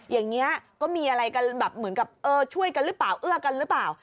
อย่างนี้ก็มีอะไรกันแบบเหมือนกับเออช่วยกันหรือเปล่าเอื้อกันหรือเปล่า